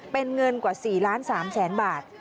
เป็นเงินกว่า๔๓ล้านบาท